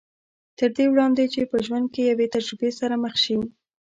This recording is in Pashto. تر دې وړاندې چې په ژوند کې له يوې تجربې سره مخ شي.